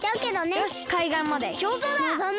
よしかいがんまできょうそうだ！